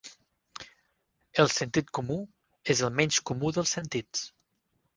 El sentit comú és el menys comú dels sentits.